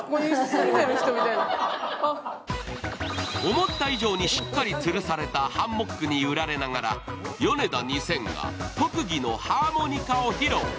思った以上にしっかりつるされたハンモックに揺らされながらヨネダ２０００が特技のハーモニカを披露。